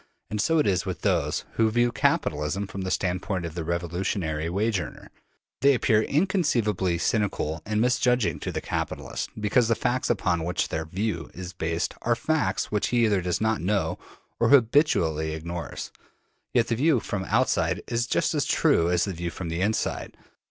And so it is with those who view the capitalist from the standpoint of the revolutionary wage earner: they appear inconceivably cynical and misjudging to the capitalist, because the facts upon which their view is based are facts which he either does not know or habitually ignores. Yet the view from the outside is just as true as the view from the inside.